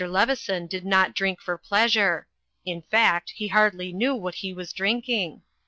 Leveson did not drink for pleasure; in fact, he hardly knew what he was drinking.